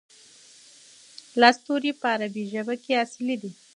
لس توري په عربي ژبه کې اصلي دي.